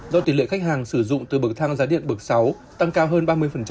do tỷ lệ khách hàng sử dụng từ bực thang giá điện bực sáu tăng cao hơn ba mươi